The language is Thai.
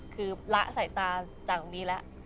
คือละสายตาจากตรงนี้แล้ว